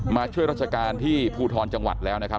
มาช่วยราชการที่ภูทรจังหวัดแล้วนะครับ